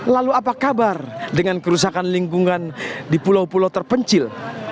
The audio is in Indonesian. lalu apa kabar dengan kerusakan lingkungan di pulau pulau terpencil